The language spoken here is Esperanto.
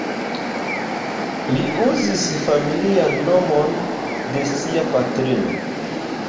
Li uzis familian nomon de sia patrino.